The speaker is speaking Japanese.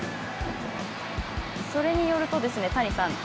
それによると谷さん